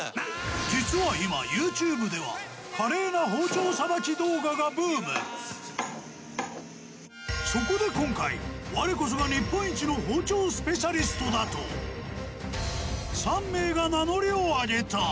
実は今ＹｏｕＴｕｂｅではがブームそこで今回我こそが日本一の包丁スペシャリストだと３名が名乗りを上げた